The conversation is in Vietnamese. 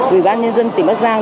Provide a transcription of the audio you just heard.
ủy ban nhân dân tỉnh bắc giang